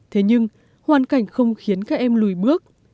thế nhưng hoàn cảnh không khiến các em lùi bước